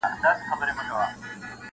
o یو موږک را څه په سپینو سترګو وړی,